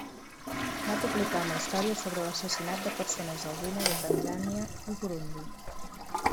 Va publicar una història sobre l'assassinat de persones albines a Tanzània i Burundi.